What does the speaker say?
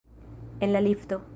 En la lifto.